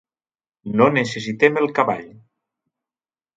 No necessitem el cavall.